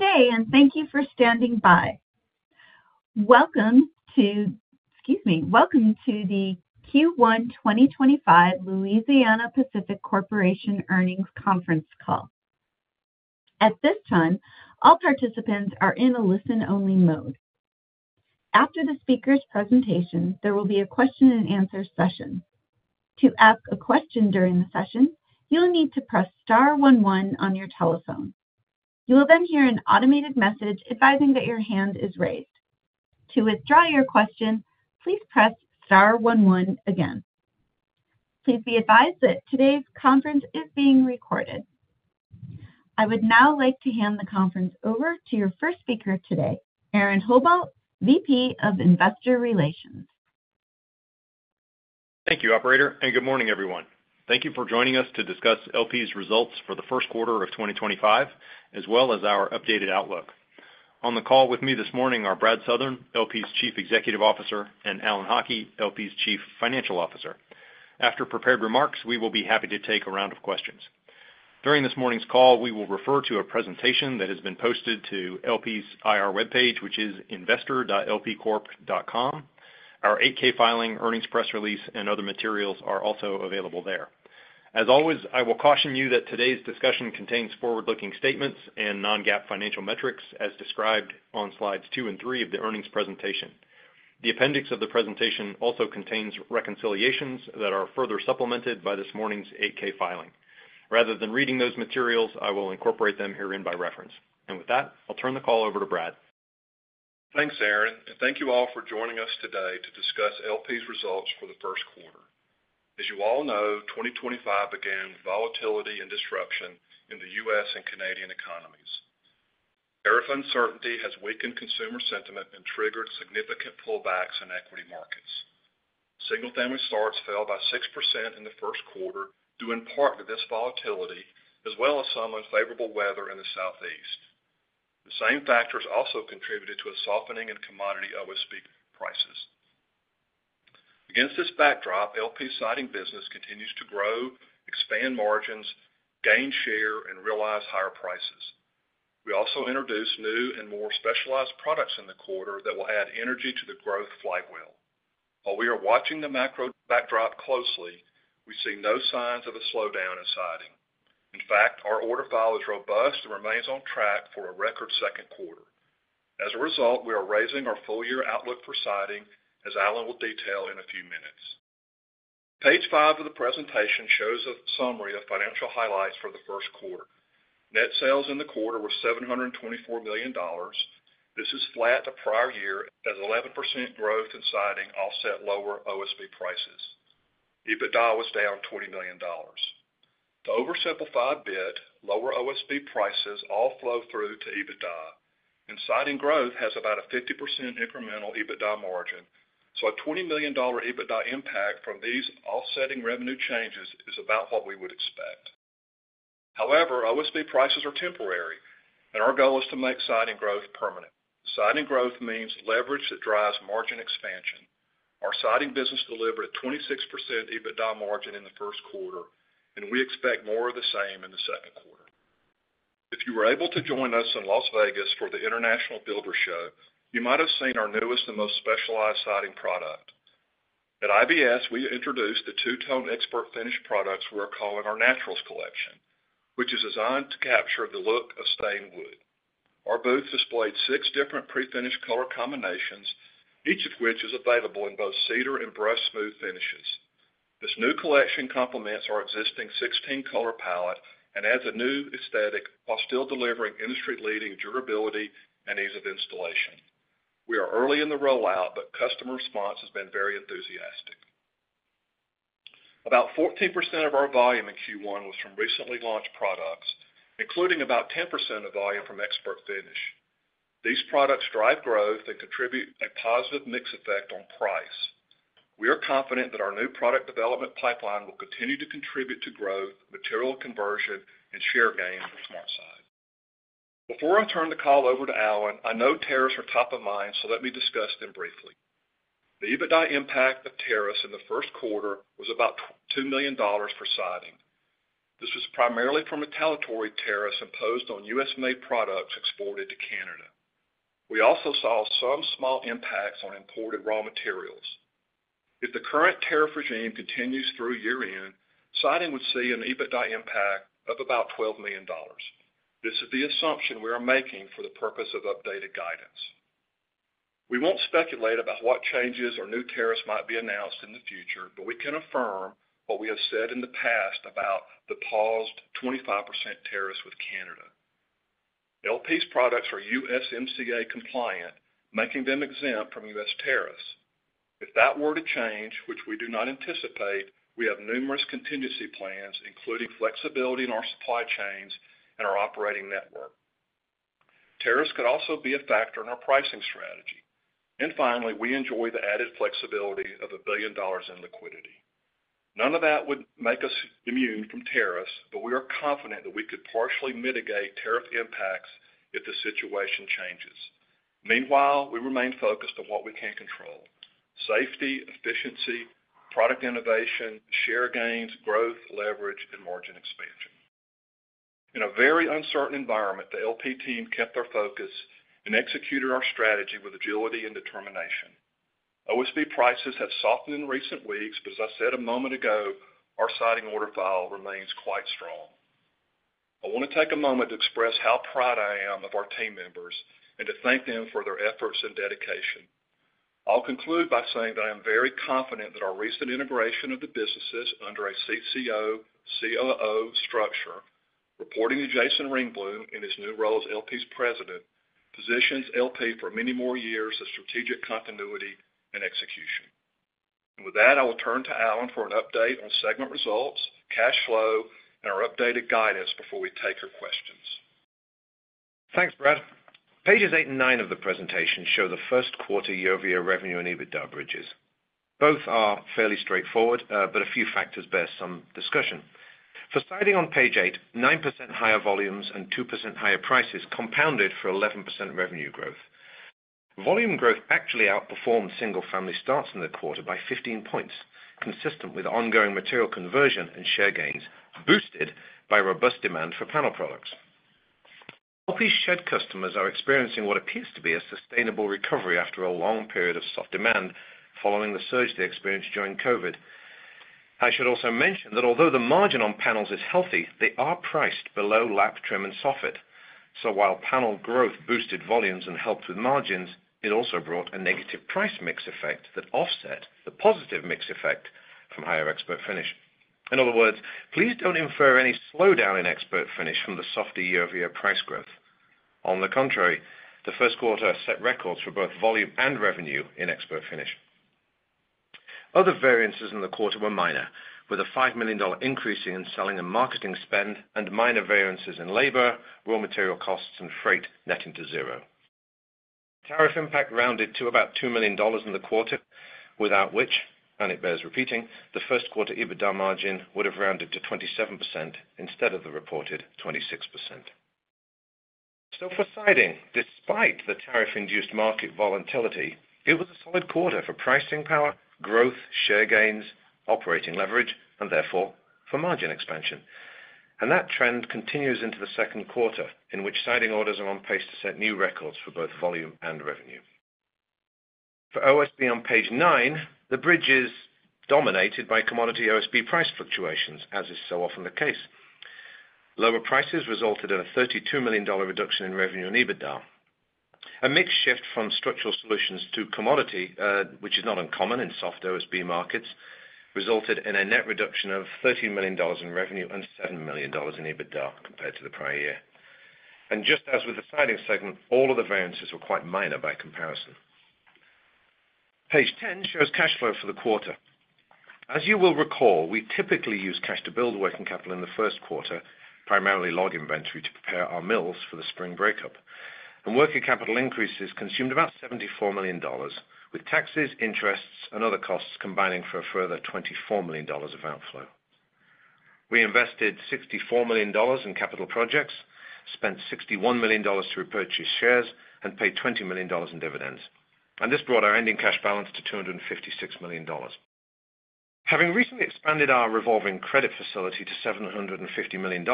Good day, and thank you for standing by. Welcome to—excuse me—welcome to the Q1 2025 Louisiana-Pacific Corporation Earnings Conference Call. At this time, all participants are in a listen-only mode. After the speaker's presentation, there will be a Q&A session. To ask a question during the session, you'll need to press star 11 on your telephone. You will then hear an automated message advising that your hand is raised. To withdraw your question, please press star one one again. Please be advised that today's conference is being recorded. I would now like to hand the conference over to your first speaker today, Aaron Howald, VP of Investor Relations. Thank you, Operator, and good morning, everyone. Thank you for joining us to discuss LP's results for the first quarter of 2025, as well as our updated outlook. On the call with me this morning are Brad Southern, LP's Chief Executive Officer, and Alan Haughie, LP's Chief Financial Officer. After prepared remarks, we will be happy to take a round of questions. During this morning's call, we will refer to a presentation that has been posted to LP's IR webpage, which is investor.lpcorp.com. Our 8-K filing, earnings press release, and other materials are also available there. As always, I will caution you that today's discussion contains forward-looking statements and non-GAAP financial metrics, as described on slides two and three of the earnings presentation. The appendix of the presentation also contains reconciliations that are further supplemented by this morning's 8-K filing. Rather than reading those materials, I will incorporate them herein by reference. With that, I'll turn the call over to Brad. Thanks, Aaron, and thank you all for joining us today to discuss LP's results for the first quarter. As you all know, 2024 began with volatility and disruption in the U.S. and Canadian economies. Tariff uncertainty has weakened consumer sentiment and triggered significant pullbacks in equity markets. Single-family starts fell by 6% in the first quarter, due in part to this volatility, as well as some unfavorable weather in the Southeast. The same factors also contributed to a softening in commodity OSB prices. Against this backdrop, LP's siding business continues to grow, expand margins, gain share, and realize higher prices. We also introduced new and more specialized products in the quarter that will add energy to the growth flywheel. While we are watching the macro backdrop closely, we see no signs of a slowdown in siding. In fact, our order file is robust and remains on track for a record second quarter. As a result, we are raising our full-year outlook for Siding, as Alan will detail in a few minutes. Page five of the presentation shows a summary of financial highlights for the first quarter. Net sales in the quarter were $724 million. This is flat to prior year, as 11% growth in Siding offset lower OSB prices. EBITDA was down $20 million. To oversimplify a bit, lower OSB prices all flow through to EBITDA, and Siding growth has about a 50% incremental EBITDA margin, so $20 million EBITDA impact from these offsetting revenue changes is about what we would expect. However, OSB prices are temporary, and our goal is to make Siding growth permanent. Siding growth means leverage that drives margin expansion. Our Siding business delivered a 26% EBITDA margin in the first quarter, and we expect more of the same in the second quarter. If you were able to join us in Las Vegas for the International Builders' Show, you might have seen our newest and most specialized Siding product. At IBS, we introduced the two-tone ExpertFinish products we are calling our Naturals Collection, which is designed to capture the look of stained wood. Our booth displayed six different pre-finished color combinations, each of which is available in both cedar and brushed smooth finishes. This new collection complements our existing 16-color palette and adds a new aesthetic while still delivering industry-leading durability and ease of installation. We are early in the rollout, but customer response has been very enthusiastic. About 14% of our volume in Q1 was from recently launched products, including about 10% of volume from ExpertFinish. These products drive growth and contribute a positive mix effect on price. We are confident that our new product development pipeline will continue to contribute to growth, material conversion, and share gain for SmartSide. Before I turn the call over to Alan, I know tariffs are top of mind, so let me discuss them briefly. The EBITDA impact of tariffs in the first quarter was about $2 million for Siding. This was primarily from a retaliatory tariff imposed on U.S.-made products exported to Canada. We also saw some small impacts on imported raw materials. If the current tariff regime continues through year-end, Siding would see an EBITDA impact of about $12 million. This is the assumption we are making for the purpose of updated guidance. We won't speculate about what changes or new tariffs might be announced in the future, but we can affirm what we have said in the past about the paused 25% tariffs with Canada. LP's products are USMCA-compliant, making them exempt from U.S. tariffs. If that were to change, which we do not anticipate, we have numerous contingency plans, including flexibility in our supply chains and our operating network. Tariffs could also be a factor in our pricing strategy. Finally, we enjoy the added flexibility of a billion dollars in liquidity. None of that would make us immune from tariffs, but we are confident that we could partially mitigate tariff impacts if the situation changes. Meanwhile, we remain focused on what we can control: safety, efficiency, product innovation, share gains, growth, leverage, and margin expansion. In a very uncertain environment, the LP team kept their focus and executed our strategy with agility and determination. OSB prices have softened in recent weeks, but as I said a moment ago, our Siding order file remains quite strong. I want to take a moment to express how proud I am of our team members and to thank them for their efforts and dedication. I'll conclude by saying that I am very confident that our recent integration of the businesses under a CCO-COO structure, reporting to Jason Ringblom in his new role as LP's President, positions LP for many more years of strategic continuity and execution. I will turn to Alan for an update on segment results, cash flow, and our updated guidance before we take your questions. Thanks, Brad. Pages eight and nine of the presentation show the first quarter year-over-year revenue and EBITDA bridges. Both are fairly straightforward, but a few factors bear some discussion. For Siding on page eight, 9% higher volumes and 2% higher prices compounded for 11% revenue growth. Volume growth actually outperformed single-family starts in the quarter by 15 percentage points, consistent with ongoing material conversion and share gains, boosted by robust demand for panel products. LP's shed customers are experiencing what appears to be a sustainable recovery after a long period of soft demand following the surge they experienced during COVID. I should also mention that although the margin on panels is healthy, they are priced below lap, trim, and soffit. While panel growth boosted volumes and helped with margins, it also brought a negative price mix effect that offset the positive mix effect from higher ExpertFinish. In other words, please don't infer any slowdown in ExpertFinish from the softer year-over-year price growth. On the contrary, the first quarter set records for both volume and revenue in ExpertFinish. Other variances in the quarter were minor, with a $5 million increase in selling and marketing spend and minor variances in labor, raw material costs, and freight netting to zero. Tariff impact rounded to about $2 million in the quarter, without which, and it bears repeating, the first quarter EBITDA margin would have rounded to 27% instead of the reported 26%. For Siding, despite the tariff-induced market volatility, it was a solid quarter for pricing power, growth, share gains, operating leverage, and therefore for margin expansion. That trend continues into the second quarter, in which Siding orders are on pace to set new records for both volume and revenue. For OSB on page nine, the bridge is dominated by commodity OSB price fluctuations, as is so often the case. Lower prices resulted in a $32 million reduction in revenue and EBITDA. A mix shift from structural solutions to commodity, which is not uncommon in soft OSB markets, resulted in a net reduction of $13 million in revenue and $7 million in EBITDA compared to the prior year. Just as with the Siding segment, all of the variances were quite minor by comparison. Page 10 shows cash flow for the quarter. As you will recall, we typically use cash to build working capital in the first quarter, primarily log inventory to prepare our mills for the spring breakup. Working capital increases consumed about $74 million, with taxes, interest, and other costs combining for a further $24 million of outflow. We invested $64 million in capital projects, spent $61 million to repurchase shares, and paid $20 million in dividends. This brought our ending cash balance to $256 million. Having recently expanded our revolving credit facility to $750 million,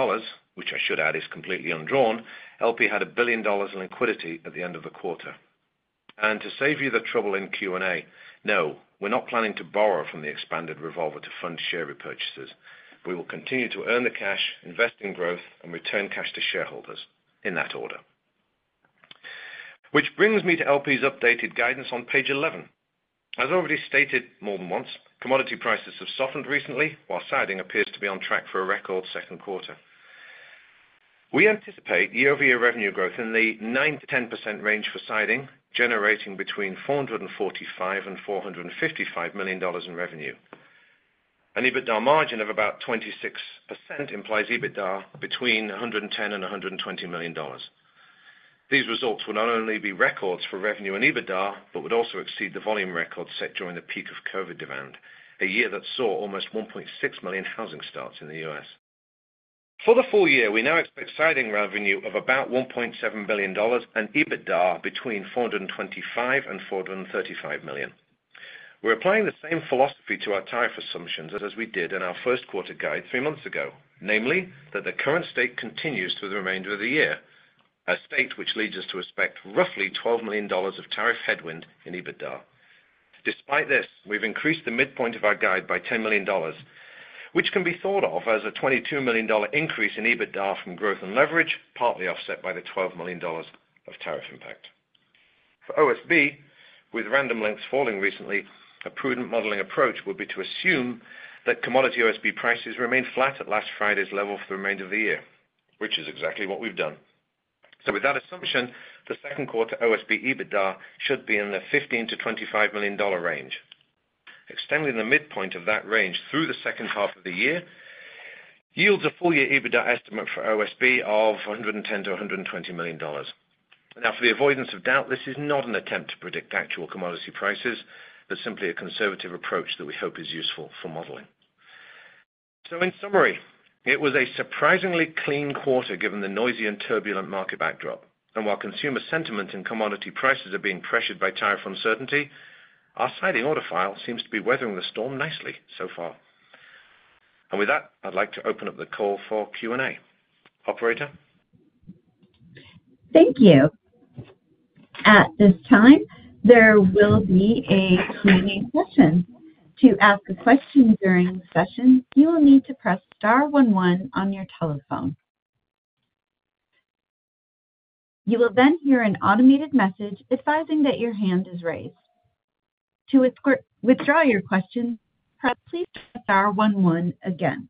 which I should add is completely undrawn, LP had a billion dollars in liquidity at the end of the quarter. To save you the trouble in Q&A, no, we are not planning to borrow from the expanded revolver to fund share repurchases. We will continue to earn the cash, invest in growth, and return cash to shareholders, in that order. This brings me to LP's updated guidance on page 11. As already stated more than once, commodity prices have softened recently, while siding appears to be on track for a record second quarter. We anticipate year-over-year revenue growth in the 9-10% range for Siding, generating between $445-$455 million in revenue. An EBITDA margin of about 26% implies EBITDA between $110-$120 million. These results will not only be records for revenue and EBITDA, but would also exceed the volume record set during the peak of COVID demand, a year that saw almost 1.6 million housing starts in the U.S. For the full year, we now expect Siding revenue of about $1.7 billion and EBITDA between $425-$435 million. We're applying the same philosophy to our tariff assumptions as we did in our first quarter guide three months ago, namely that the current state continues through the remainder of the year, a state which leads us to expect roughly $12 million of tariff headwind in EBITDA. Despite this, we've increased the midpoint of our guide by $10 million, which can be thought of as a $22 million increase in EBITDA from growth and leverage, partly offset by the $12 million of tariff impact. For OSB, with random lengths falling recently, a prudent modeling approach would be to assume that commodity OSB prices remain flat at last Friday's level for the remainder of the year, which is exactly what we've done. With that assumption, the second quarter OSB EBITDA should be in the $15-$25 million range. Extending the midpoint of that range through the second half of the year yields a full-year EBITDA estimate for OSB of $110-$120 million. Now, for the avoidance of doubt, this is not an attempt to predict actual commodity prices, but simply a conservative approach that we hope is useful for modeling. In summary, it was a surprisingly clean quarter given the noisy and turbulent market backdrop. While consumer sentiment and commodity prices are being pressured by tariff uncertainty, our Siding order file seems to be weathering the storm nicely so far. With that, I'd like to open up the call for Q&A. Operator. Thank you. At this time, there will be a Q&A session. To ask a question during the session, you will need to press star one one on your telephone. You will then hear an automated message advising that your hand is raised. To withdraw your question, please press star one one again.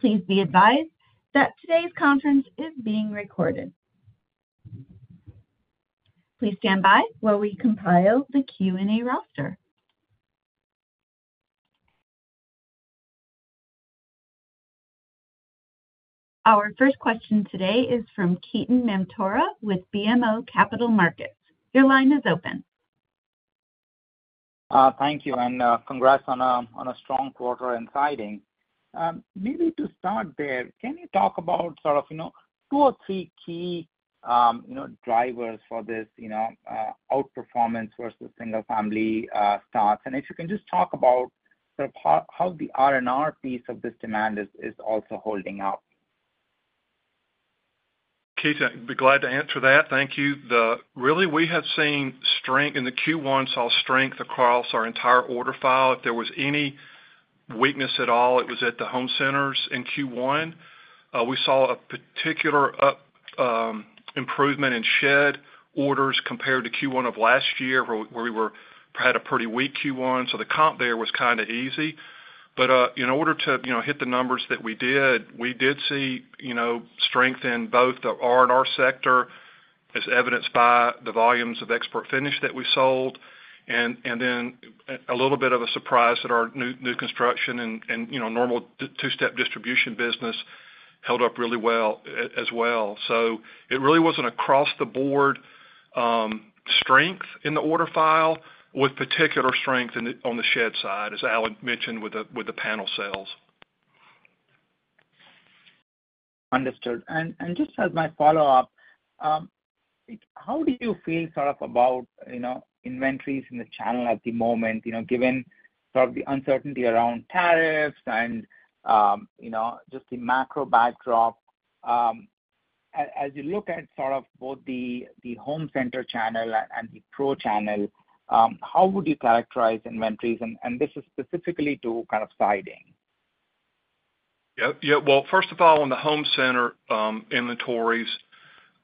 Please be advised that today's conference is being recorded. Please stand by while we compile the Q&A roster. Our first question today is from Ketan Mamtora with BMO Capital Markets. Your line is open. Thank you, and congrats on a strong quarter in Siding. Maybe to start there, can you talk about sort of two or three key drivers for this out-performance versus single-family starts? And if you can just talk about sort of how the R&R piece of this demand is also holding up? Ketan, I'd be glad to answer that. Thank you. Really, we have seen strength in the Q1, saw strength across our entire order file. If there was any weakness at all, it was at the home centers in Q1. We saw a particular improvement in shed orders compared to Q1 of last year, where we had a pretty weak Q1. The comp there was kind of easy. In order to hit the numbers that we did, we did see strength in both the R&R sector, as evidenced by the volumes of ExpertFinish that we sold, and then a little bit of a surprise that our new construction and normal two-step distribution business held up really well as well. It really was across the board strength in the order file, with particular strength on the shed side, as Alan Haughie mentioned with the panel sales. Understood. Just as my follow-up, how do you feel sort of about inventories in the channel at the moment, given sort of the uncertainty around tariffs and just the macro backdrop? As you look at sort of both the home center channel and the pro channel, how would you characterize inventories? This is specifically to kind of siding. Yeah. First of all, on the home center inventories,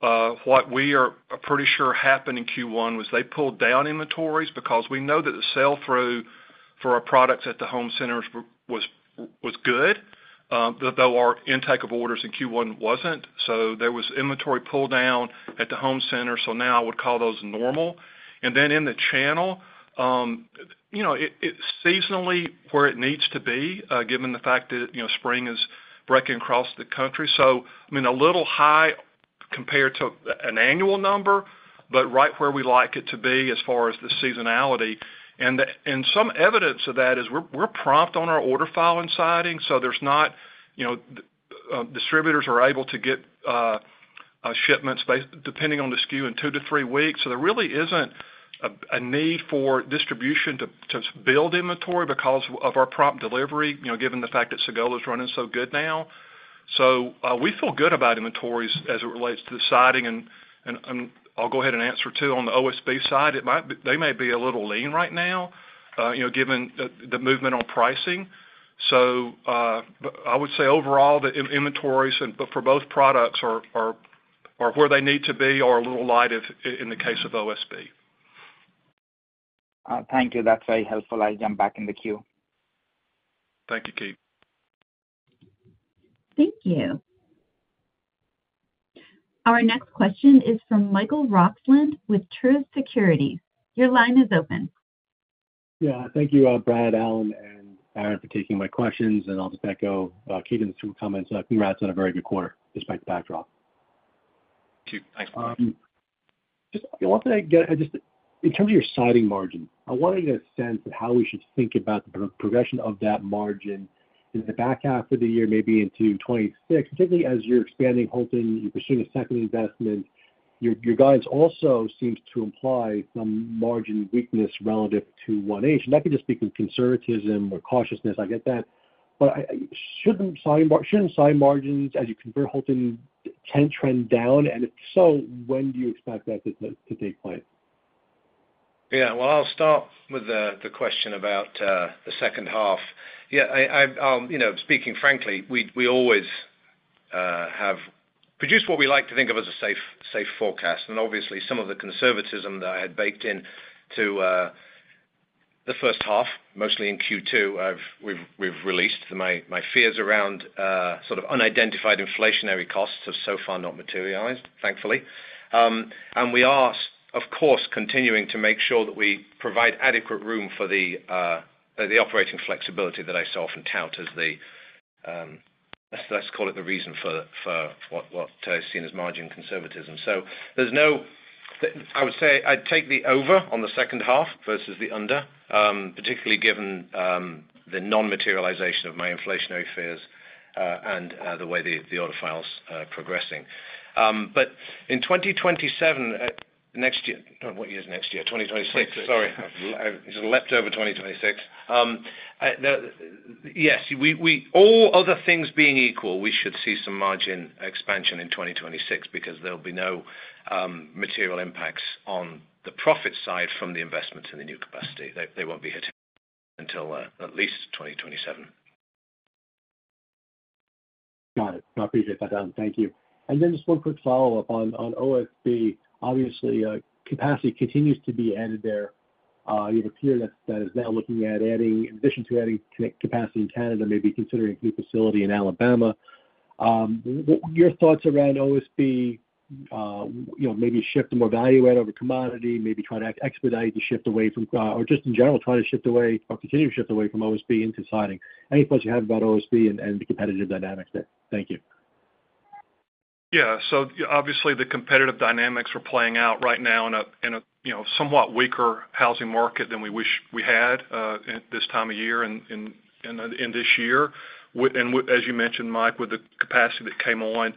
what we are pretty sure happened in Q1 was they pulled down inventories because we know that the sell-through for our products at the home centers was good, though our intake of orders in Q1 was not. There was inventory pull-down at the home centers. Now I would call those normal. In the channel, it is seasonally where it needs to be, given the fact that spring is breaking across the country. I mean, a little high compared to an annual number, but right where we like it to be as far as the seasonality. Some evidence of that is we are prompt on our order file in Siding, so distributors are able to get shipments depending on the SKU in two to three weeks. There really isn't a need for distribution to build inventory because of our prompt delivery, given the fact that Sagola is running so good now. We feel good about inventories as it relates to the Siding. I'll go ahead and answer too on the OSB side. They may be a little lean right now, given the movement on pricing. I would say overall, the inventories for both products are where they need to be or a little light in the case of OSB. Thank you. That's very helpful. I'll jump back in the queue. Thank you, Ketan. Thank you. Our next question is from Michael Roxland with Truist Securities. Your line is open. Yeah. Thank you, Brad, Alan, and Aaron for taking my questions. I'll just echo Keaton's comments. Congrats on a very good quarter despite the backdrop. Thank you. Thanks. Just one thing. In terms of your siding margin, I wanted a sense of how we should think about the progression of that margin in the back half of the year, maybe into 2026, particularly as you're expanding Holton, you're pursuing a second investment. Your guidance also seems to imply some margin weakness relative to 1-H. That could just be conservatism or cautiousness. I get that. Shouldn't siding margins, as you convert Holton, tend to trend down? If so, when do you expect that to take place? Yeah. I'll start with the question about the second half. Yeah. Speaking frankly, we always have produced what we like to think of as a safe forecast. Obviously, some of the conservatism that I had baked into the first half, mostly in Q2, we've released. My fears around sort of unidentified inflationary costs have so far not materialized, thankfully. We are, of course, continuing to make sure that we provide adequate room for the operating flexibility that I so often tout as the, let's call it the reason for what is seen as margin conservatism. There's no, I would say I'd take the over on the second half versus the under, particularly given the non-materialization of my inflationary fears and the way the order file's progressing. In 2027, next year—what year is next year? 2026. Sorry. Just left over 2026. Yes. All other things being equal, we should see some margin expansion in 2026 because there'll be no material impacts on the profit side from the investments in the new capacity. They won't be hit until at least 2027. Got it. No, I appreciate that, Alan. Thank you. Then just one quick follow-up on OSB. Obviously, capacity continues to be added there. You have a peer that is now looking at adding, in addition to adding capacity in Canada, maybe considering a new facility in Alabama. Your thoughts around OSB, maybe shift to more value-add over commodity, maybe try to expedite the shift away from, or just in general, try to shift away or continue to shift away from OSB into siding? Any thoughts you have about OSB and the competitive dynamics there? Thank you. Yeah. So obviously, the competitive dynamics are playing out right now in a somewhat weaker housing market than we wish we had this time of year and this year. As you mentioned, Mike, with the capacity that came on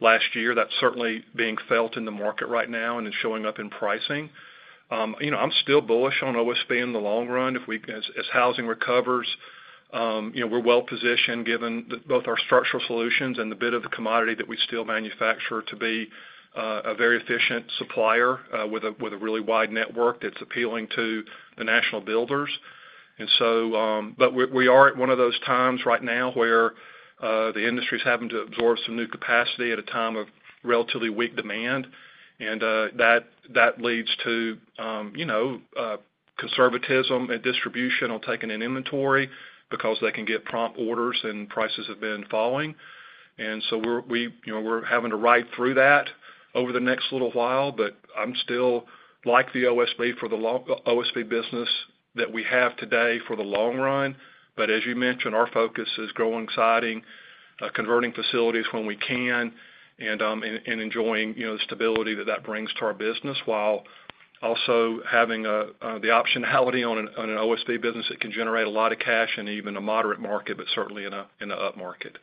last year, that's certainly being felt in the market right now and is showing up in pricing. I'm still bullish on OSB in the long run. As housing recovers, we're well-positioned given both our Structural Solutions and the bit of the commodity that we still manufacture to be a very efficient supplier with a really wide network that's appealing to the national builders. We are at one of those times right now where the industry is having to absorb some new capacity at a time of relatively weak demand. That leads to conservatism in distribution on taking in inventory because they can get prompt orders and prices have been falling. We are having to ride through that over the next little while. I still like the OSB for the OSB business that we have today for the long run. As you mentioned, our focus is growing Siding, converting facilities when we can, and enjoying the stability that that brings to our business while also having the optionality on an OSB business that can generate a lot of cash in even a moderate market, but certainly in an up market.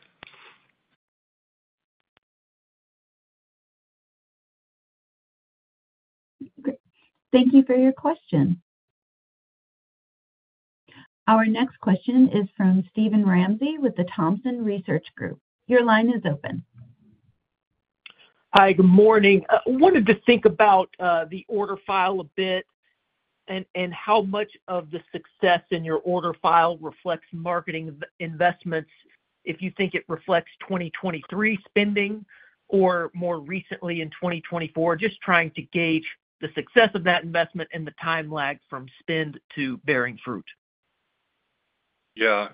Thank you for your question. Our next question is from Steven Ramsey with the Thompson Research Group. Your line is open. Hi. Good morning. I wanted to think about the order file a bit and how much of the success in your order file reflects marketing investments if you think it reflects 2023 spending or more recently in 2024, just trying to gauge the success of that investment and the time lag from spend to bearing fruit? Yeah.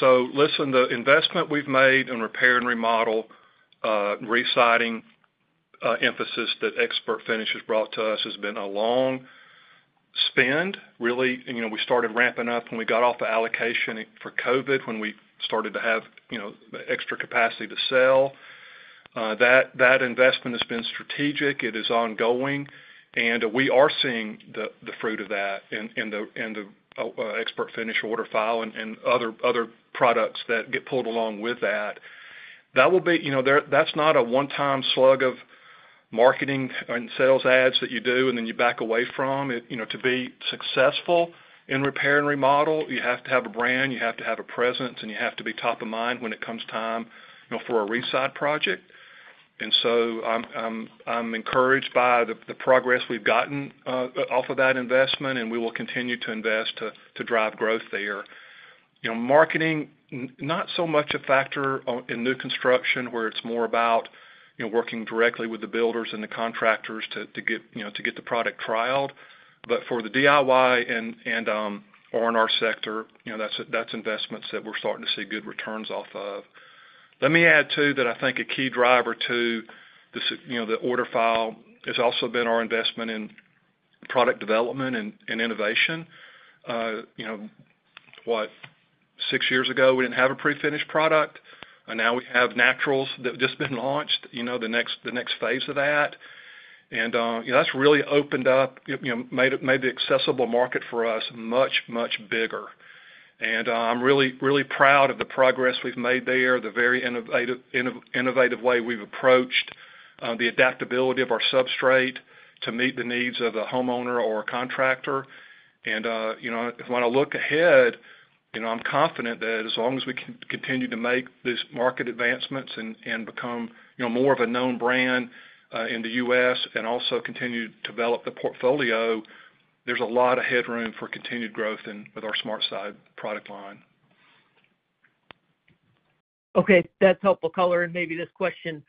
Listen, the investment we've made in repair and remodel, residing, emphasis that ExpertFinish has brought to us has been a long spend, really. We started ramping up when we got off the allocation for COVID, when we started to have extra capacity to sell. That investment has been strategic. It is ongoing. We are seeing the fruit of that in the ExpertFinish order file and other products that get pulled along with that. That will be, that's not a one-time slug of marketing and sales ads that you do and then you back away from. To be successful in repair and remodel, you have to have a brand, you have to have a presence, and you have to be top of mind when it comes time for a reside project. I'm encouraged by the progress we've gotten off of that investment, and we will continue to invest to drive growth there. Marketing, not so much a factor in new construction where it's more about working directly with the builders and the contractors to get the product trialed. For the DIY and R&R sector, that's investments that we're starting to see good returns off of. Let me add too that I think a key driver to the order file has also been our investment in product development and innovation. What, six years ago, we didn't have a pre-finished product. Now we have Naturals that have just been launched, the next phase of that. That's really opened up, made the accessible market for us much, much bigger. I'm really, really proud of the progress we've made there, the very innovative way we've approached the adaptability of our substrate to meet the needs of a homeowner or a contractor. When I look ahead, I'm confident that as long as we can continue to make these market advancements and become more of a known brand in the U.S. and also continue to develop the portfolio, there's a lot of headroom for continued growth with our SmartSide product line. Okay. That's helpful. Color, and maybe this question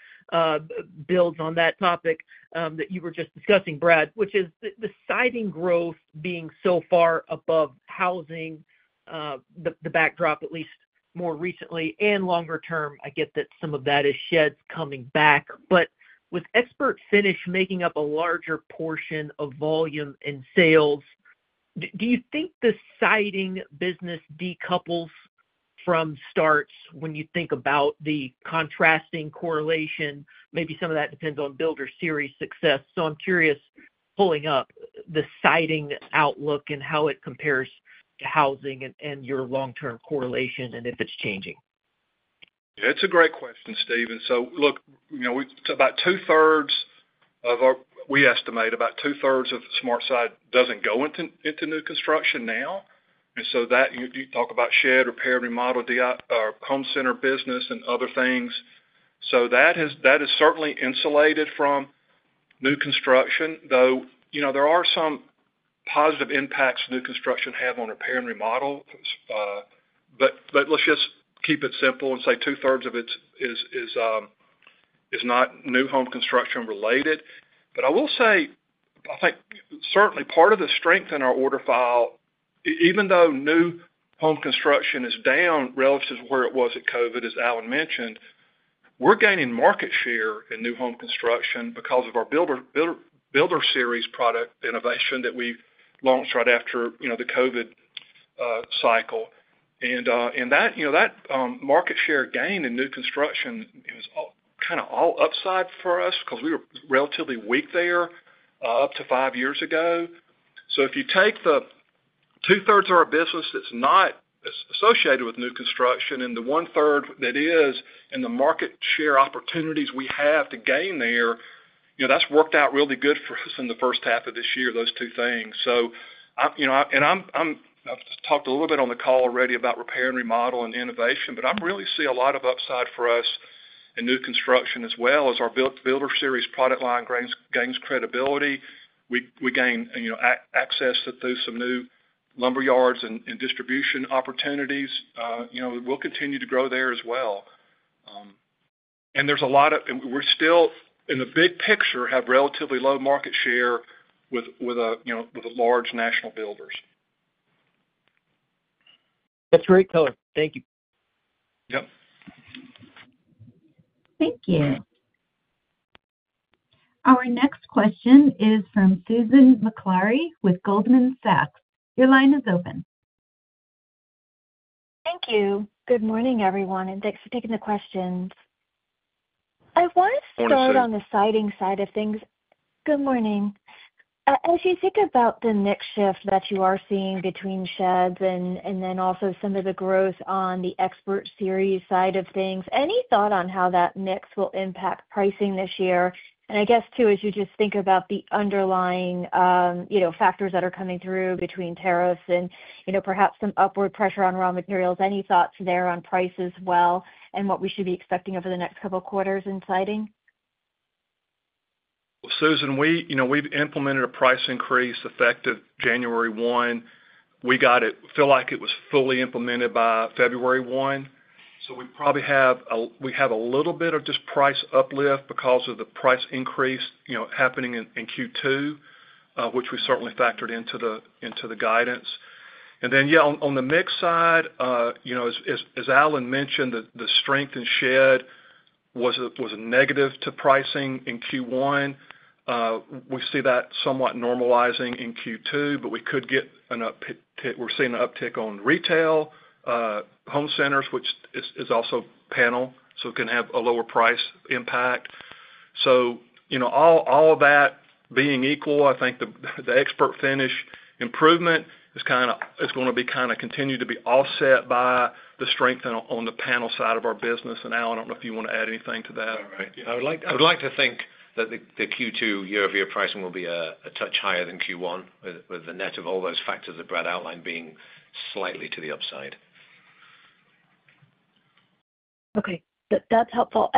builds on that topic that you were just discussing, Brad, which is the siding growth being so far above housing, the backdrop, at least more recently and longer term. I get that some of that is sheds coming back. But with ExpertFinish making up a larger portion of volume and sales, do you think the siding business decouples from starts when you think about the contrasting correlation? Maybe some of that depends on Builder Series success. So I'm curious, pulling up the Siding outlook and how it compares to housing and your long-term correlation and if it's changing. Yeah. It's a great question, Steven. Look, about two-thirds of our, we estimate about two-thirds of SmartSide does not go into new construction now. You talk about shed, repair, remodel, home center business, and other things. That is certainly insulated from new construction, though there are some positive impacts new construction has on repair and remodel. Let's just keep it simple and say two-thirds of it is not new home construction-related. I will say, I think certainly part of the strength in our order file, even though new home construction is down relative to where it was at COVID, as Alan mentioned, we're gaining market share in new home construction because of our Builder Series product innovation that we launched right after the COVID cycle. That market share gain in new construction, it was kind of all upside for us because we were relatively weak there up to five years ago. If you take the two-thirds of our business that's not associated with new construction and the one-third that is in the market share opportunities we have to gain there, that's worked out really good for us in the first half of this year, those two things. I've talked a little bit on the call already about repair and remodel and innovation, but I really see a lot of upside for us in new construction as well as our Builder Series product line gains credibility. We gain access to some new lumber yards and distribution opportunities. We'll continue to grow there as well. We're still, in the big picture, have relatively low market share with large national builders. That's great, Colin. Thank you. Yep. Thank you. Our next question is from Susan Maklari with Goldman Sachs. Your line is open. Thank you. Good morning, everyone. Thanks for taking the questions. I want to start. Thank you. On the siding side of things. Good morning. As you think about the mix shift that you are seeing between sheds and then also some of the growth on the ExpertFinish side of things, any thought on how that mix will impact pricing this year? I guess too, as you just think about the underlying factors that are coming through between tariffs and perhaps some upward pressure on raw materials, any thoughts there on price as well and what we should be expecting over the next couple of quarters in siding? Susan, we've implemented a price increase effective January 1. We feel like it was fully implemented by February 1. We probably have a little bit of just price uplift because of the price increase happening in Q2, which we certainly factored into the guidance. On the mix side, as Alan mentioned, the strength in shed was negative to pricing in Q1. We see that somewhat normalizing in Q2, but we could get an uptick. We're seeing an uptick on retail, home centers, which is also panel, so it can have a lower price impact. All of that being equal, I think the ExpertFinish improvement is going to kind of continue to be offset by the strength on the panel side of our business. Alan, I do not know if you want to add anything to that. All right. I would like to think that the Q2 year-over-year pricing will be a touch higher than Q1 with the net of all those factors that Brad outlined being slightly to the upside. Okay. That's helpful.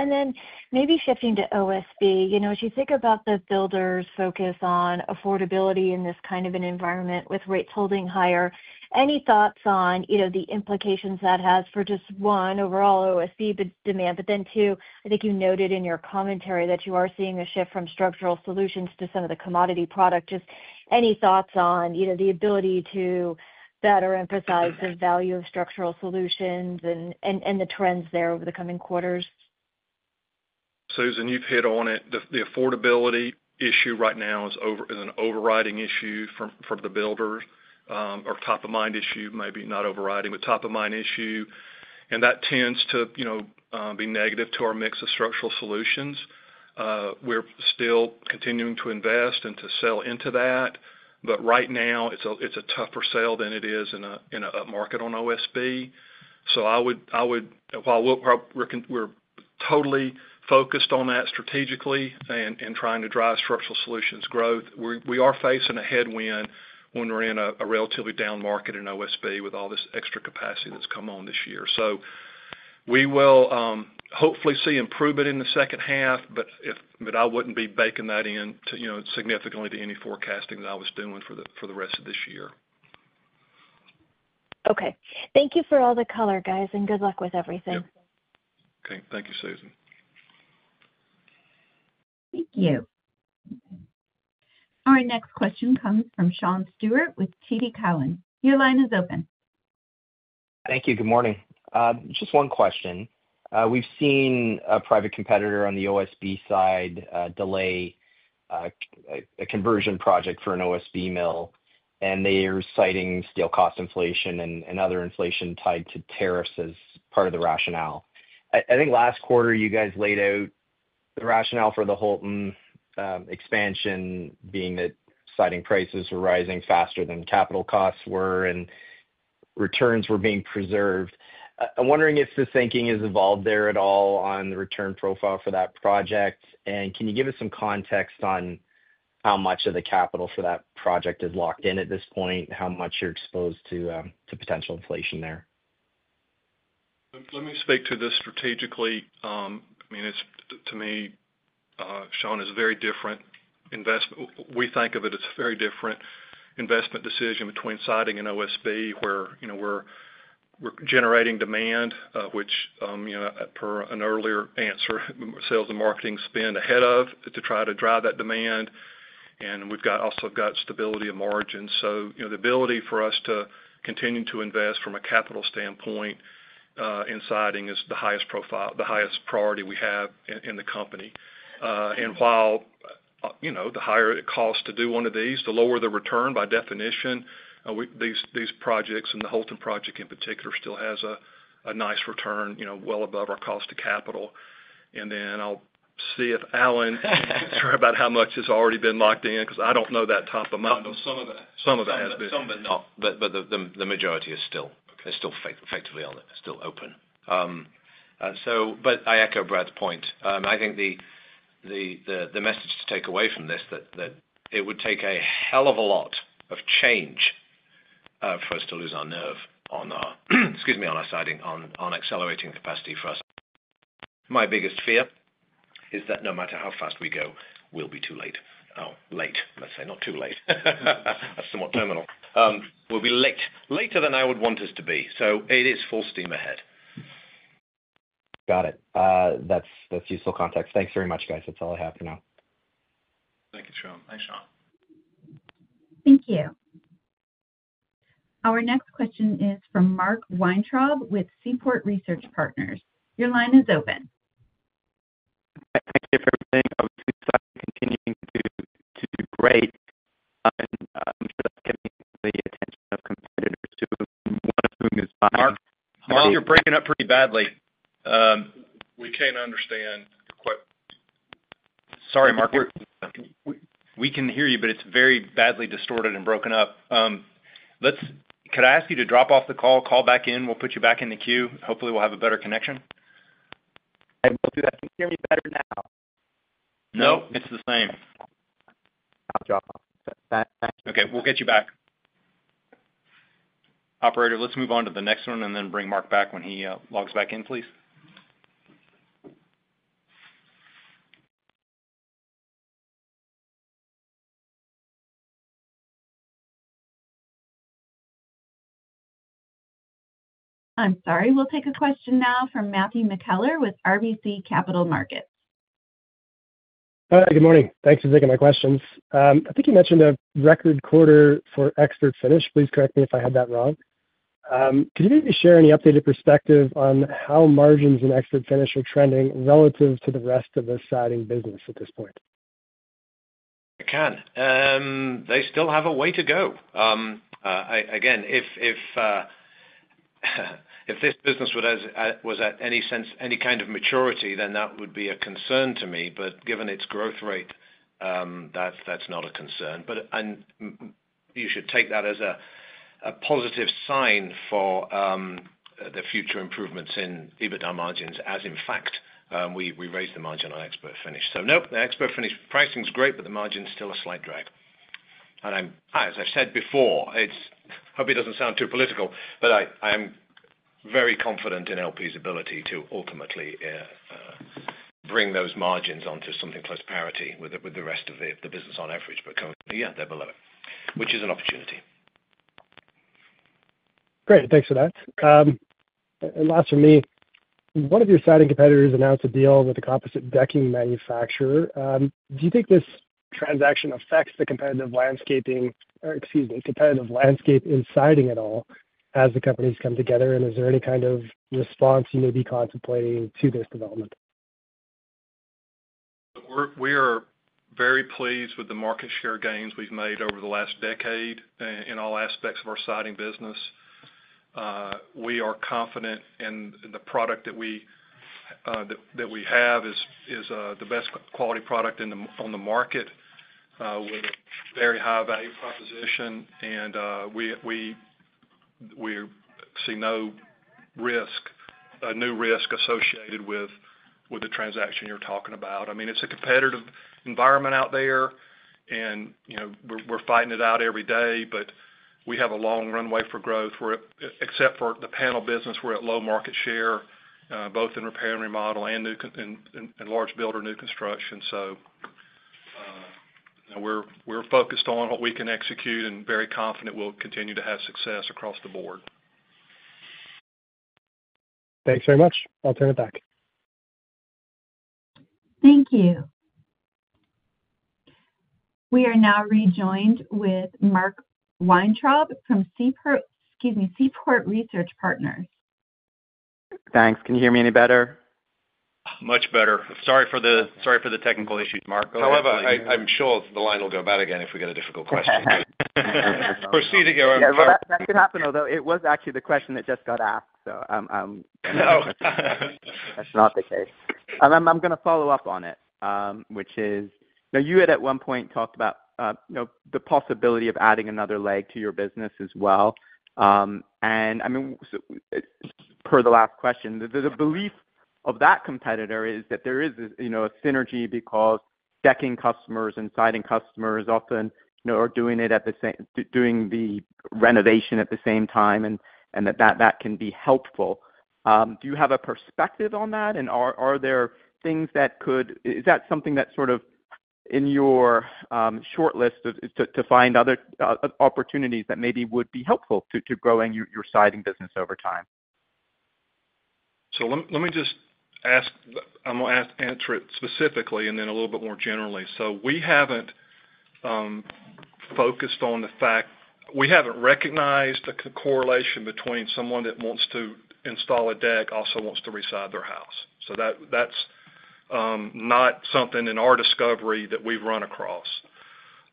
Maybe shifting to OSB, as you think about the builders' focus on affordability in this kind of an environment with rates holding higher, any thoughts on the implications that has for just, one, overall OSB demand, but then, two, I think you noted in your commentary that you are seeing a shift from Structural Solutions to some of the commodity product. Just any thoughts on the ability to better emphasize the value of Structural Solutions and the trends there over the coming quarters? Susan, you've hit on it. The affordability issue right now is an overriding issue for the builders or top-of-mind issue, maybe not overriding, but top-of-mind issue. That tends to be negative to our mix of structural solutions. We're still continuing to invest and to sell into that. Right now, it's a tougher sale than it is in an upmarket on OSB. While we're totally focused on that strategically and trying to drive structural solutions growth, we are facing a headwind when we're in a relatively down market in OSB with all this extra capacity that's come on this year. We will hopefully see improvement in the second half, but I wouldn't be baking that in significantly to any forecasting that I was doing for the rest of this year. Okay. Thank you for all the color, guys, and good luck with everything. Okay. Thank you, Susan. Thank you. Our next question comes from Sean Steuart with TD Cowen. Your line is open. Thank you. Good morning. Just one question. We've seen a private competitor on the OSB side delay a conversion project for an OSB mill, and they are citing steel cost inflation and other inflation tied to tariffs as part of the rationale. I think last quarter, you guys laid out the rationale for the Holton expansion being that siding prices were rising faster than capital costs were and returns were being preserved. I'm wondering if the thinking has evolved there at all on the return profile for that project? Can you give us some context on how much of the capital for that project is locked in at this point, how much you're exposed to potential inflation there? Let me speak to this strategically. I mean, to me, Sean, it's a very different investment. We think of it as a very different investment decision between Siding and OSB where we're generating demand, which, per an earlier answer, sales and marketing spend ahead of to try to drive that demand. We've also got stability of margins. The ability for us to continue to invest from a capital standpoint in Siding is the highest priority we have in the company. While the higher it costs to do one of these, the lower the return by definition. These projects and the Holton project in particular still has a nice return well above our cost of capital. I'll see if Alan can answer about how much has already been locked in because I don't know that top-of-mind. I know some of that. Some of that has been. The majority is still effectively still open. I echo Brad's point. I think the message to take away from this is that it would take a hell of a lot of change for us to lose our nerve on our Siding, on accelerating capacity for us. My biggest fear is that no matter how fast we go, we'll be too late. Oh, late, let's say. Not too late. That's somewhat terminal. We'll be later than I would want us to be. It is full steam ahead. Got it. That's useful context. Thanks very much, guys. That's all I have for now. Thank you, Sean. Thank you. Our next question is from Mark Weintraub with Seaport Research Partners. Your line is open. Thank you for everything. Obviously, Siding continuing to do great. I'm sure that's getting the attention of competitors too, one of whom is Mike. Mark, you're breaking up pretty badly. We can't understand your question. Sorry, Mark. We can hear you, but it's very badly distorted and broken up. Could I ask you to drop off the call, call back in? We'll put you back in the queue. Hopefully, we'll have a better connection. I will do that. Can you hear me better now? Nope. It's the same. Good job. Thank you. Okay. We'll get you back. Operator, let's move on to the next one and then bring Mark back when he logs back in, please. I'm sorry. We'll take a question now from Matthew McKellar with RBC Capital Markets. Hi. Good morning. Thanks for taking my questions. I think you mentioned a record quarter for ExpertFinish. Please correct me if I had that wrong. Could you maybe share any updated perspective on how margins in ExpertFinish are trending relative to the rest of the Siding business at this point? You can. They still have a way to go. Again, if this business was at any kind of maturity, then that would be a concern to me. But given its growth rate, that's not a concern. You should take that as a positive sign for the future improvements in EBITDA margins, as in fact, we raised the margin on ExpertFinish. Nope, the ExpertFinish pricing is great, but the margin is still a slight drag. As I've said before, hope it doesn't sound too political, but I am very confident in LP's ability to ultimately bring those margins onto something close to parity with the rest of the business on average. Currently, yeah, they're below, which is an opportunity. Great. Thanks for that. Last from me. One of your siding competitors announced a deal with a composite decking manufacturer. Do you think this transaction affects the competitive landscape in siding at all as the companies come together? Is there any kind of response you may be contemplating to this development? We are very pleased with the market share gains we've made over the last decade in all aspects of our Siding business. We are confident in the product that we have is the best quality product on the market with a very high value proposition. I mean, it's a competitive environment out there, and we're fighting it out every day. We see no new risk associated with the transaction you're talking about. We have a long runway for growth. Except for the panel business, we're at low market share, both in repair and remodel and large builder new construction. We are focused on what we can execute and very confident we'll continue to have success across the board. Thanks very much. I'll turn it back. Thank you. We are now rejoined with Mark Weintraub from Seaport Research Partners. Thanks. Can you hear me any better? Much better. Sorry for the technical issues, Mark. However, I'm sure the line will go bad again if we get a difficult question. Proceed again. That could happen, although it was actually the question that just got asked, so I'm. No. That's not the case. I'm going to follow up on it, which is you had at one point talked about the possibility of adding another leg to your business as well. I mean, per the last question, the belief of that competitor is that there is a synergy because decking customers and siding customers often are doing the renovation at the same time and that that can be helpful. Do you have a perspective on that? Are there things that could, is that something that's sort of in your shortlist to find other opportunities that maybe would be helpful to growing your siding business over time? Let me just ask, I'm going to answer it specifically and then a little bit more generally. We haven't focused on the fact we haven't recognized a correlation between someone that wants to install a deck also wants to reside their house. That's not something in our discovery that we've run across.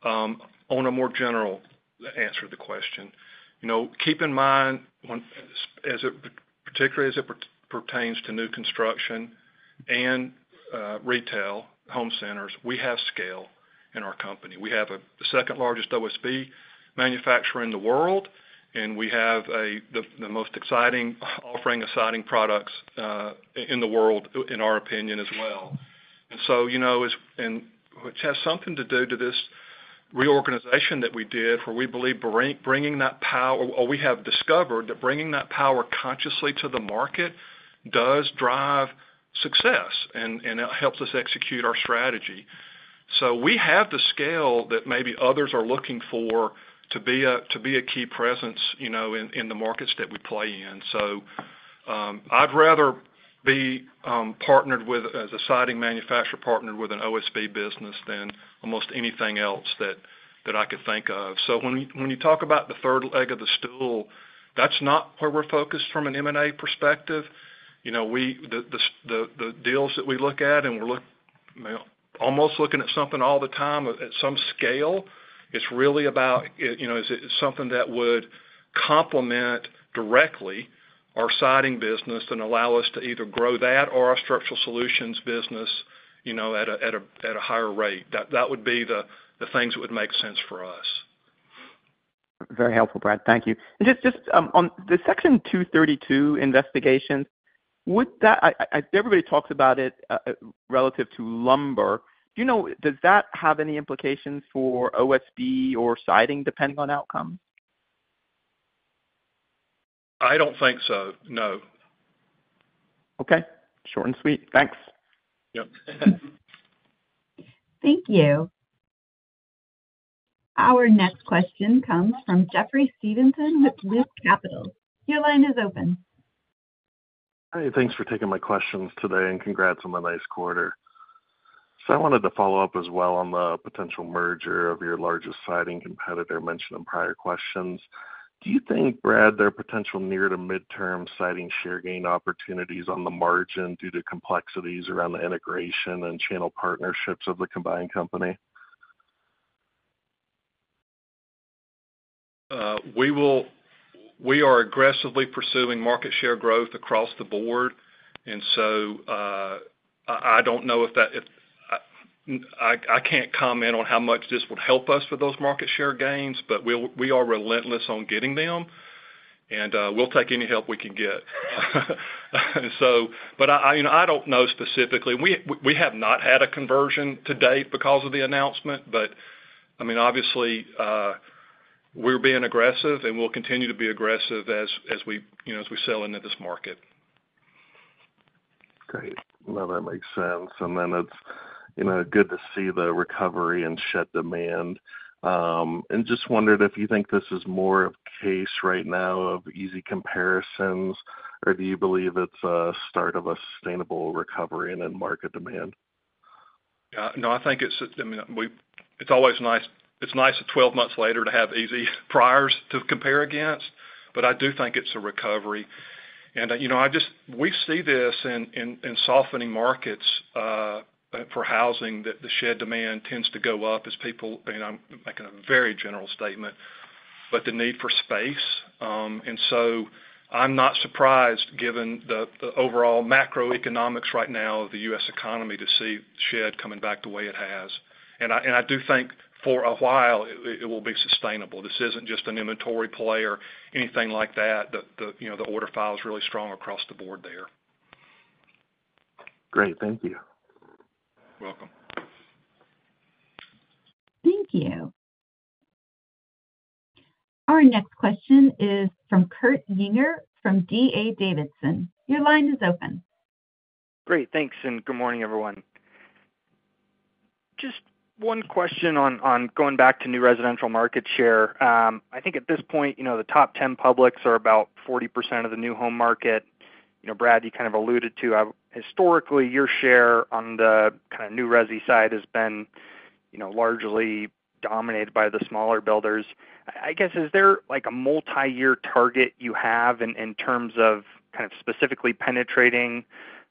On a more general answer to the question, keep in mind, particularly as it pertains to new construction and retail, home centers, we have scale in our company. We have the second-largest OSB manufacturer in the world, and we have the most exciting offering of siding products in the world, in our opinion, as well. It has something to do with this reorganization that we did where we believe bringing that power or we have discovered that bringing that power consciously to the market does drive success and helps us execute our strategy. We have the scale that maybe others are looking for to be a key presence in the markets that we play in. I'd rather be partnered with, as a siding manufacturer, partnered with an OSB business than almost anything else that I could think of. When you talk about the third leg of the stool, that's not where we're focused from an M&A perspective. The deals that we look at and we're almost looking at something all the time at some scale, it's really about is it something that would complement directly our Siding business and allow us to either grow that or our Structural Solutions business at a higher rate. That would be the things that would make sense for us. Very helpful, Brad. Thank you. Just on the Section 232 investigations, everybody talks about it relative to lumber. Does that have any implications for OSB or siding depending on outcomes? I don't think so. No. Okay. Short and sweet. Thanks. Yep. Thank you. Our next question comes from Jeffrey Stevenson with Loop Capital. Your line is open. Hey, thanks for taking my questions today and congrats on the nice quarter. I wanted to follow up as well on the potential merger of your largest siding competitor mentioned in prior questions. Do you think, Brad, there are potential near to mid-term siding share gain opportunities on the margin due to complexities around the integration and channel partnerships of the combined company? We are aggressively pursuing market share growth across the board. I do not know if that, I cannot comment on how much this would help us with those market share gains, but we are relentless on getting them, and we will take any help we can get. I do not know specifically. We have not had a conversion to date because of the announcement. I mean, obviously, we are being aggressive, and we will continue to be aggressive as we sell into this market. Great. No, that makes sense. It is good to see the recovery in shed demand. I just wondered if you think this is more of a case right now of easy comparisons, or do you believe it is a start of a sustainable recovery in market demand? Yeah. No, I think it's just, I mean, it's always nice, it's nice 12 months later to have easy priors to compare against, but I do think it's a recovery. I mean, we see this in softening markets for housing that the shed demand tends to go up as people, and I'm making a very general statement, but the need for space. I'm not surprised, given the overall macroeconomics right now of the U.S. economy, to see shed coming back the way it has. I do think for a while it will be sustainable. This isn't just an inventory play or anything like that. The order file is really strong across the board there. Great. Thank you. You're welcome. Thank you. Our next question is from Kurt Yinger from D.A. Davidson. Your line is open. Great. Thanks. Good morning, everyone. Just one question on going back to new residential market share. I think at this point, the top 10 publics are about 40% of the new home market. Brad, you kind of alluded to historically your share on the kind of new resi side has been largely dominated by the smaller builders. I guess, is there a multi-year target you have in terms of kind of specifically penetrating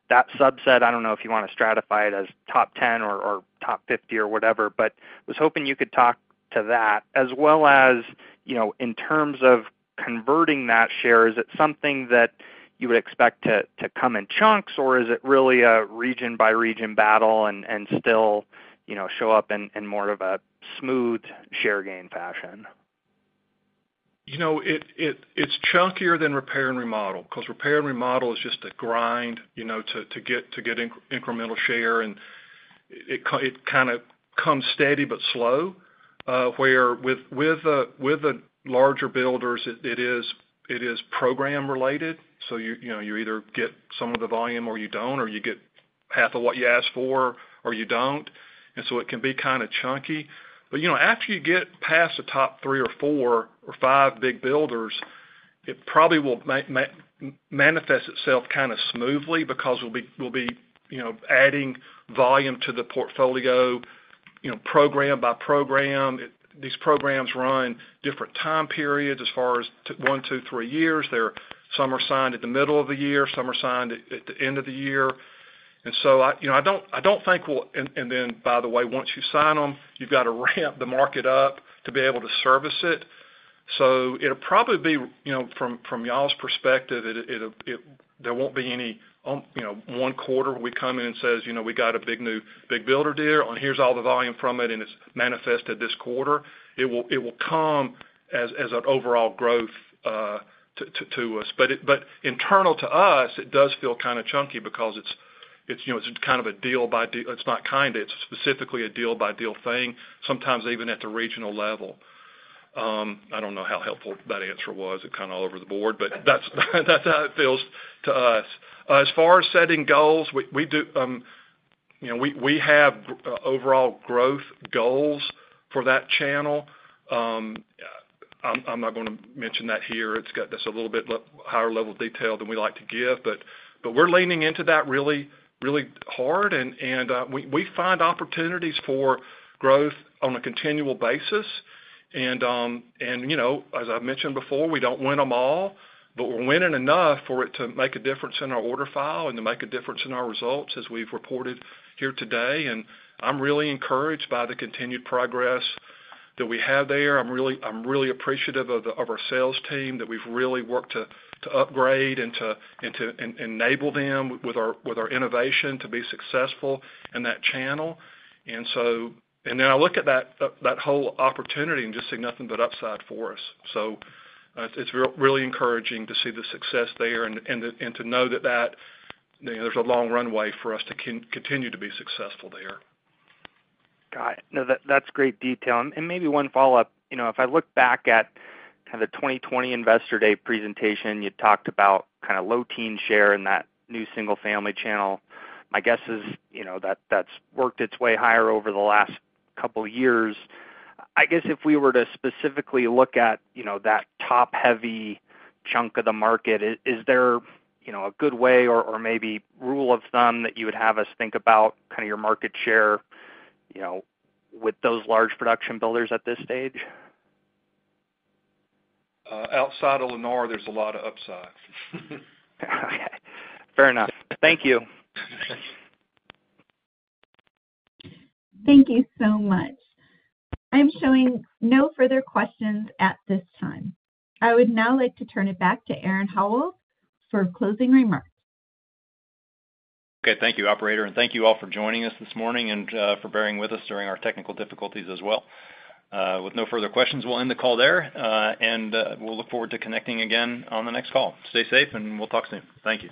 that subset? I do not know if you want to stratify it as top 10 or top 50 or whatever, but I was hoping you could talk to that as well as in terms of converting that share. Is it something that you would expect to come in chunks, or is it really a region-by-region battle and still show up in more of a smooth share gain fashion? It's chunkier than repair and remodel because repair and remodel is just a grind to get incremental share. It kind of comes steady but slow, where with the larger builders, it is program-related. You either get some of the volume or you do not, or you get half of what you asked for or you do not. It can be kind of chunky. After you get past the top three or four or five big builders, it probably will manifest itself kind of smoothly because we will be adding volume to the portfolio program by program. These programs run different time periods as far as one, two, three years. Some are signed at the middle of the year. Some are signed at the end of the year. I do not think we will, and then, by the way, once you sign them, you have to ramp the market up to be able to service it. It will probably be, from y'all's perspective, there will not be any one quarter where we come in and say, "We got a big new big builder deal, and here is all the volume from it, and it is manifested this quarter." It will come as an overall growth to us. Internal to us, it does feel kind of chunky because it is kind of a deal by deal. It is not kind of. It is specifically a deal-by-deal thing, sometimes even at the regional level. I do not know how helpful that answer was. It is kind of all over the board, but that is how it feels to us. As far as setting goals, we have overall growth goals for that channel. I'm not going to mention that here. It's got a little bit higher level detail than we like to give. We are leaning into that really hard. We find opportunities for growth on a continual basis. As I've mentioned before, we don't win them all, but we're winning enough for it to make a difference in our order file and to make a difference in our results as we've reported here today. I'm really encouraged by the continued progress that we have there. I'm really appreciative of our sales team that we've really worked to upgrade and to enable them with our innovation to be successful in that channel. I look at that whole opportunity and just see nothing but upside for us. It's really encouraging to see the success there and to know that there's a long runway for us to continue to be successful there. Got it. No, that's great detail. Maybe one follow-up. If I look back at kind of the 2020 Investor Day Presentation, you talked about kind of low-teens share in that new single-family channel. My guess is that's worked its way higher over the last couple of years. I guess if we were to specifically look at that top-heavy chunk of the market, is there a good way or maybe rule of thumb that you would have us think about kind of your market share with those large production builders at this stage? Outside of Lennar, there's a lot of upside. Okay. Fair enough. Thank you. Thank you so much. I'm showing no further questions at this time. I would now like to turn it back to Aaron Howald for closing remarks. Okay. Thank you, operator. Thank you all for joining us this morning and for bearing with us during our technical difficulties as well. With no further questions, we'll end the call there. We'll look forward to connecting again on the next call. Stay safe, and we'll talk soon. Thank you.